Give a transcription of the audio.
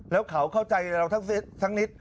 แล้วเขาเข้าใจเราสักนิด